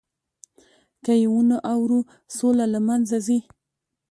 که یې ونه اورو، سوله له منځه ځي.